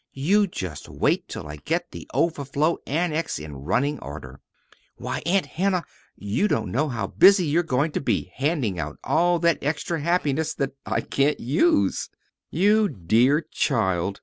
"You just wait till I get the Overflow Annex in running order. Why, Aunt Hannah, you don't know how busy you're going to be handing out all that extra happiness that I can't use!" "You dear child!"